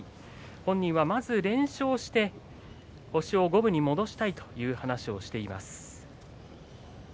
本人は、まず連勝して星を五分に戻したいと話しています。